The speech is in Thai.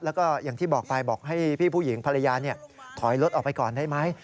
แล้วก็อย่างที่บอกไปบอกให้พี่ผู้หญิงภรรยาถอยรถออกไปก่อนได้ไหม